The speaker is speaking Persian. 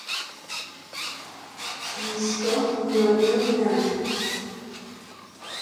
زیستگاه میانه نم